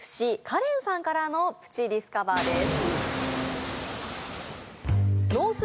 かれんさんからのプチディスカバーです